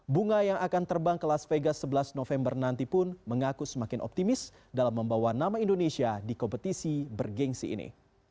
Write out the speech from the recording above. bunga yang akan terbang ke las vegas sebelas november nanti pun mengaku semakin optimis dalam membawa nama indonesia di kompetisi bergensi ini